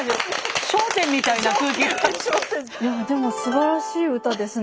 いやでもすばらしい歌ですね。